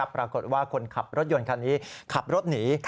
ปรากฏว่าคนขับรถยนต์คันนี้ขับรถหนี